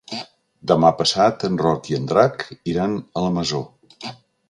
Demà passat en Roc i en Drac iran a la Masó.